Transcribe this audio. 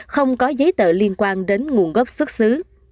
không có giấy tờ liên quan đến nguồn gốc xuất xứ